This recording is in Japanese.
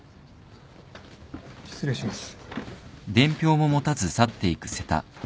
失礼します。